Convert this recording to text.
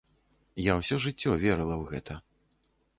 Я ўсё жыццё верыла ў гэта.